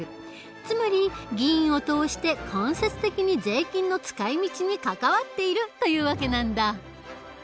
つまり議員を通して間接的に税金の使い道に関わっているという訳なんだ。